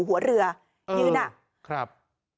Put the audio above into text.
หัวเรือยืนอ่ะครับ